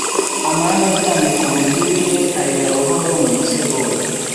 amani aryamye ku buriri bwe, arira buhoro mu musego we.